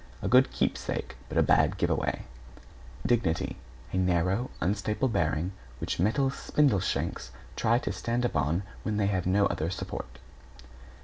A good keepsake, but a bad give away. =DIGNITY= A narrow, unstable bearing which mental spindle shanks try to stand upon when they have no other support.